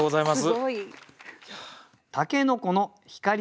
すごい！